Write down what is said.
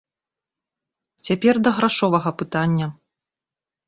Цяпер да грашовага пытання.